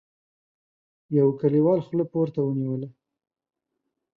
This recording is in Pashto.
يوه کليوال خوله پورته ونيوله: